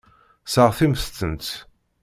Seɣtimt-tent.